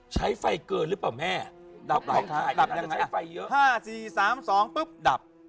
ใช้ไฟเกินหรือเปล่าแม่ดับดับยังไงไฟเยอะห้าสี่สามสองปุ๊บดับ